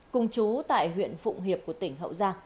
cùng chú tại huyện phụng hiệp của tỉnh hậu giang